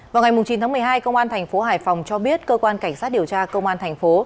vào ngày chín tháng một mươi hai công an tp hải phòng cho biết cơ quan cảnh sát điều tra công an tp